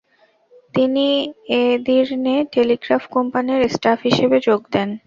তিনি Edirne telegraph কোম্পানির staff হিসেবে যোগ দেন।